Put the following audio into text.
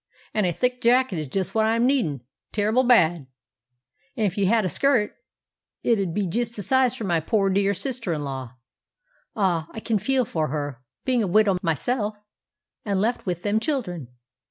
"and a thick jacket is just what I'm needin' terrible bad. And if you had a skirt, it 'ud be jest the size for my pore dear sister in law. Ah, I can feel for her, being a widow myself, and left with them children.